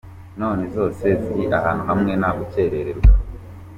None zose ziri ahantu hamwe nta gukererwa.